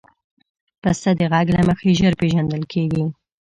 پسه د غږ له مخې ژر پېژندل کېږي.